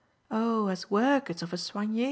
Oh as work it's of a soigne!